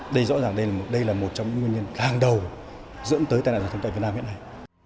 đây rõ ràng đây là một trong những nguyên nhân hàng đầu dẫn tới tai nạn giao thông tại việt nam hiện nay